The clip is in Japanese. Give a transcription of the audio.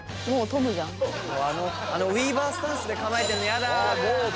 あのウィーバースタンスで構えてんのヤダ！